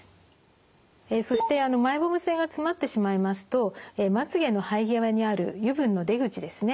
そしてマイボーム腺が詰まってしまいますとまつげの生え際にある油分の出口ですね